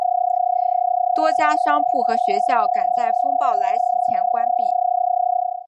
多家商铺和学校赶在风暴来袭前关闭。